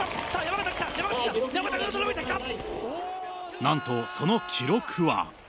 なんと、その記録は。